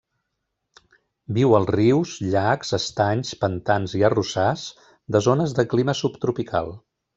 Viu als rius, llacs, estanys, pantans i arrossars de zones de clima subtropical.